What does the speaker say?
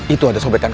itu ada sobatkan